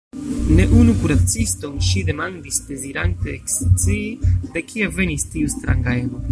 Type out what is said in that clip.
Ne unu kuraciston ŝi demandis dezirante ekscii, de kie venis tiu stranga emo.